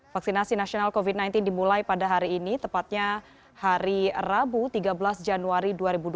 vaksinasi nasional covid sembilan belas dimulai pada hari ini tepatnya hari rabu tiga belas januari dua ribu dua puluh